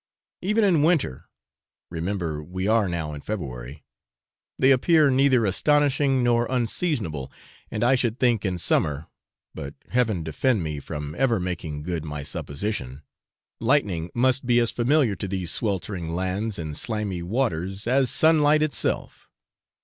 Even in winter (remember, we are now in February) they appear neither astonishing nor unseasonable, and I should think in summer (but Heaven defend me from ever making good my supposition) lightning must be as familiar to these sweltering lands and slimy waters as sunlight itself.